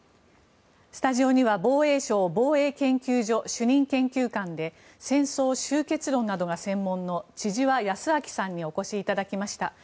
スタジオには防衛省防衛研究所主任研究官で戦争終結論などが専門の千々和泰明さんにお越しいただきました。